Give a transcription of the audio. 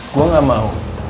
gue gak mau